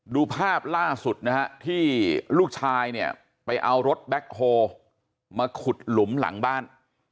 ดูภาพล่าสุดนะฮะที่ลูกชายเนี่ยไปเอารถแบ็คโฮมาขุดหลุมหลังบ้าน